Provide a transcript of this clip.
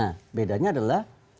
nah bedanya adalah